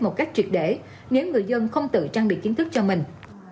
một cách triệt để nếu người dân không tự trang bị kiến thức cho mình